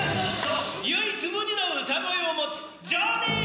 唯一無二の歌声を持つジョニー！